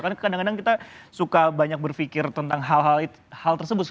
karena kadang kadang kita suka banyak berfikir tentang hal hal tersebut